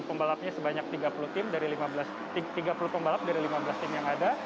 pembalapnya sebanyak tiga puluh tim dari lima belas tim yang ada